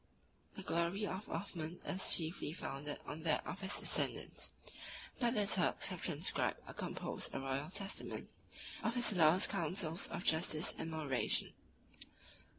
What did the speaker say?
The glory of Othman is chiefly founded on that of his descendants; but the Turks have transcribed or composed a royal testament of his last counsels of justice and moderation.